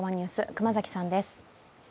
熊崎さんです。